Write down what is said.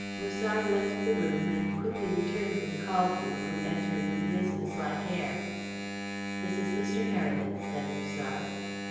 Musard left the room and quickly returned with Caldew, who entered with a business like air. "This is Mr. Heredith," said Musard.